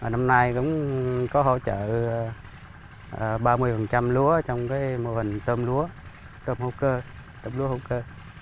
năm nay cũng có hỗ trợ ba mươi lúa trong mô hình tôm lúa tôm lúa hữu cơ